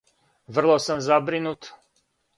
Врло сам забринут.